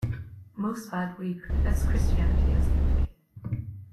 Most Badwe'e profess Christianity as their faith.